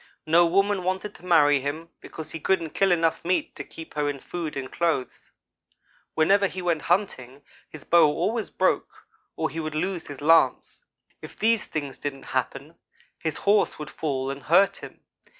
No woman wanted to marry him, because he couldn't kill enough meat to keep her in food and clothes. Whenever he went hunting, his bow always broke or he would lose his lance. If these things didn't happen, his horse would fall and hurt him.